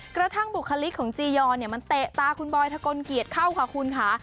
กระทั่งบุคลิกของจียอนมันเตะตาคุณบอยทะกลเกียจเข้าค่ะคุณค่ะ